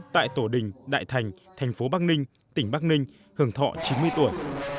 tại tổ đình đại thành thành phố bắc ninh tỉnh bắc ninh hưởng thọ chín mươi tuổi